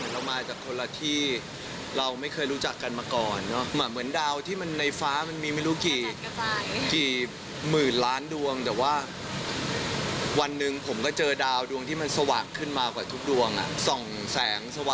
แล้วก็มีความรู้สึกที่ดีแบบนี้ต่อไปเรื่อยก็พอแล้ว